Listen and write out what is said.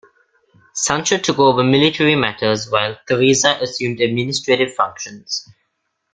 Sancho took over military matters, while Theresa assumed administrative functions.